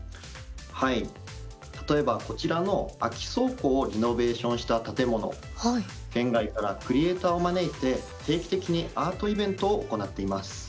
例えば、こちらの空き倉庫をリノベーションした建物、県外からクリエーターを招いて定期的にアートイベントを行っています。